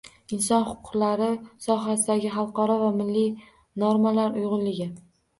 Inson huquqlari sohasidagi xalqaro va milliy normalar uyg‘unligi